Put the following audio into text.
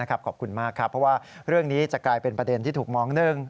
ขอบคุณมากครับเพราะว่าเรื่องนี้จะกลายเป็นประเด็นที่ถูกมองหนึ่ง